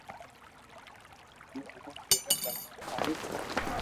ھون ھمو ڪيوا جملا ٺاھو